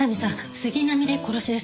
杉並で殺しです。